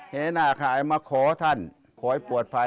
หน้าขายมาขอท่านขอให้ปลอดภัย